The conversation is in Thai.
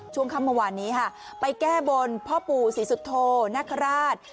ช่วงคำมวันนี้ค่ะไปแก้บนพ่อปู่ศรีสุโธนักฮราช